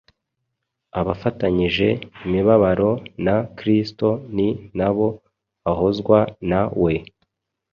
Abafatanyije imibabaro na Kristo ni nabo bahozwa na we